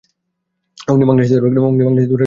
অগ্নি বাংলাদেশের একটি সর্বোচ্চ বাজেটের চলচ্চিত্র।